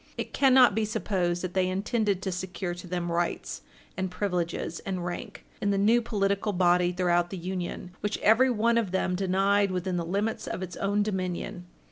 It cannot be supposed that they intended to secure to them rights and privileges and rank, in the new political body throughout the Union which every one of them denied within the limits of its own dominion.